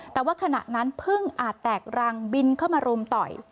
แต่ว่าขณะนั้นพึ่งอาจแตกรังบินเข้ามารุมต่อย